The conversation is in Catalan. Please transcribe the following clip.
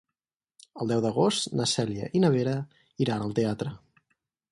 El deu d'agost na Cèlia i na Vera iran al teatre.